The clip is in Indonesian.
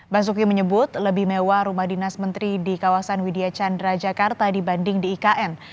basuki menyebut lebih mewah rumah dinas menteri di kawasan widya chandra jakarta dibanding di ikn